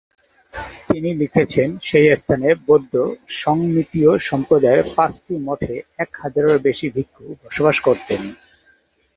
তিনি লিখেছেন, সেই স্থানে বৌদ্ধ সংমিতীয় সম্প্রদায়ের পাঁচটি মঠে এক হাজারেরও বেশি ভিক্ষু বসবাস করতেন।